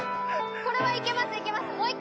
これはいけますいけます